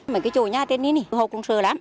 mấy cái chỗ nhà trên này hộ cũng sợ lắm